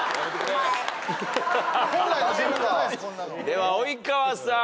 では及川さん。